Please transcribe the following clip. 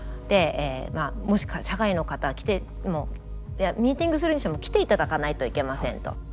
でまあもしくは社外の方ミーティングするにしても来ていただかないといけませんと。